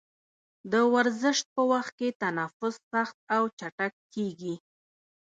د ورزش په وخت کې تنفس سخت او چټکېږي.